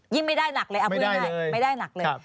ยิ่งไม่ได้หนักเลยไม่ได้หนักเลย